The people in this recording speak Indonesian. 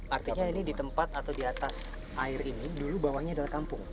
artinya ini di tempat atau di atas air ini dulu bawahnya adalah kampung